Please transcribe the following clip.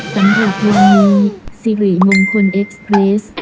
สำหรับเพลงนี้สิริมงคลเอ็กซ์เรส